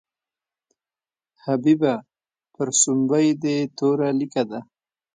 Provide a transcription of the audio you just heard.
حبیبه پر سومبۍ دې توره لیکه ده.